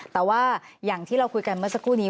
แต่ว่าอย่างที่เราคุยกันเมื่อสักครู่นี้